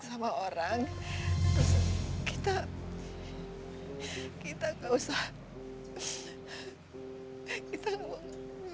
ya begitu mak